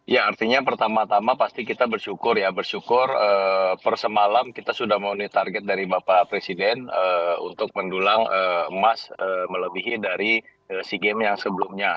ya artinya pertama tama pasti kita bersyukur ya bersyukur per semalam kita sudah memenuhi target dari bapak presiden untuk mendulang emas melebihi dari sea games yang sebelumnya